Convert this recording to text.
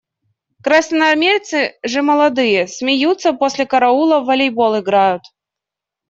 Красноармейцы же молодые – смеются, после караула в волейбол играют.